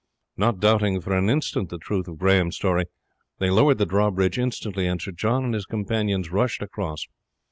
Not doubting for an instant the truth of Grahame's story, they lowered the drawbridge instantly, and Sir John and his companions rushed across.